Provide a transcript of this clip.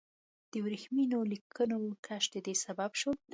د ورېښمینو لیکونو کشف د دې سبب شو.